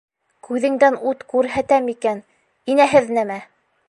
Күҙеңдән ут күрһәтәм икән, инәһеҙ нәмә!